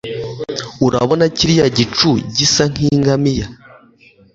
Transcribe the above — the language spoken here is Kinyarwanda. Urabona kiriya gicu gisa nkingamiya